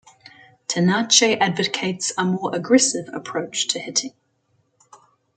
Tenace advocates a more aggressive approach to hitting.